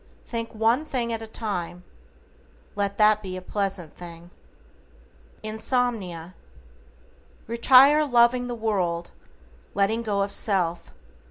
Think one thing at a time, let that be a PLEASANT THING. =INSOMNIA:= Retire loving the world, letting go of self.